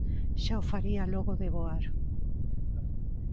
Xa o faría logo de voar.